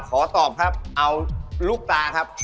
ขอตอบครับเอาลูกตาครับ